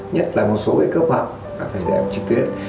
nhất là một số cái cấp học là phải dạy học trực tuyến